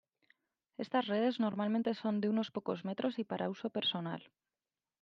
Estas redes normalmente son de unos pocos metros y para uso personal.